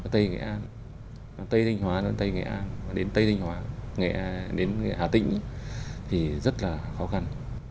tây nghệ an tây thanh hóa tây nghệ an đến tây thanh hóa nghệ an đến hà tĩnh thì rất là khó khăn